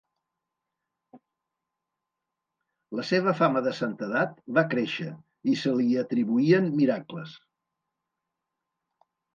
La seva fama de santedat va créixer i se li atribuïen miracles.